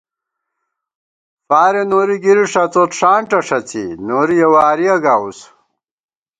فارے نوری گِری ݭڅوت ݭانٹہ ݭڅی، نوری یَہ وارِیہ گاؤس